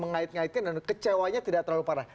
mengait ngaitin dan kecewanya tidak terlalu parah